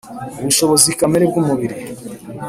Ubushobozi kamere bw umubiri